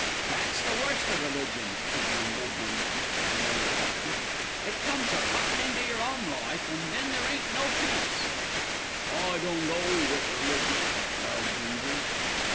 "That's the worst o' religion," he grumbled one night at The Yellow Ostrich; "it comes a buttin' into your 'ome life, an' then there ain't no peace." "I don't 'old wiv religion," growled Ginger.